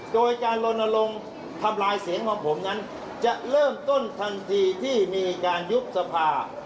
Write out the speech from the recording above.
โดยการลนลงทำลายเสียงของผมนั้นจะเริ่มต้นทันทีที่มีการยุบสภา